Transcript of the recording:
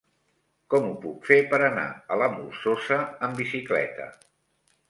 Com ho puc fer per anar a la Molsosa amb bicicleta?